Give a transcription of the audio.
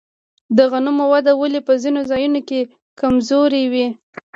د غنمو وده ولې په ځینو ځایونو کې کمزورې وي؟